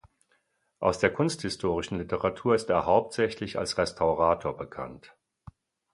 Aus der kunsthistorischen Literatur ist er hauptsächlich als Restaurator bekannt.